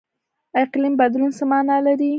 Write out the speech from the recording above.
اقلیم بدلون څه مانا لري؟